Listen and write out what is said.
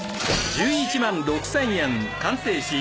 １１万６，０００円！